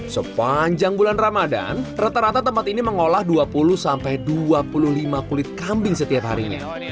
sepanjang bulan ramadan rata rata tempat ini mengolah dua puluh dua puluh lima kulit kambing setiap harinya